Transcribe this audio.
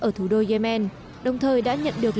ở thủ đô yemen đồng thời đã nhận được